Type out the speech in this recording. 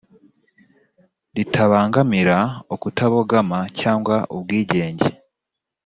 ritabangamira ukutabogama cyangwa ubwigenge